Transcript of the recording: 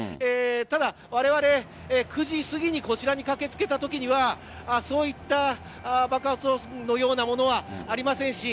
ただ、われわれ９時すぎにこちらに駆けつけたときにはそういった爆発音のようなものはありませんし